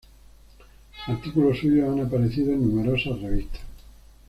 Artículos suyos han aparecido en numerosas revistas.